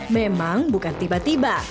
memang bukan tiba tiba